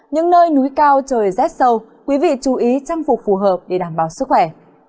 những nơi núi cao trời rét sâu quý vị chú ý trang phục phù hợp để đảm bảo sức khỏe